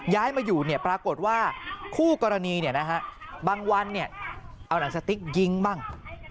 ย้ายมาอยู่ปรากฏว่าคู่กรณีบางวันเอาหนังสติ๊กยิงบ้าง